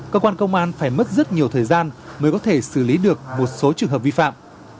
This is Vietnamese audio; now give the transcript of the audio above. cơ quan công an phải mất rất nhiều thời gian mới có thể xử lý được một số trường hợp vi phạm